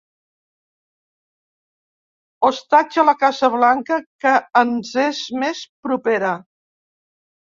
Hostatja la Casa Blanca que ens és més propera.